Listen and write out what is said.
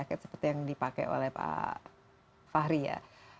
bomber jacket seperti yang dipakai oleh pak fahri ya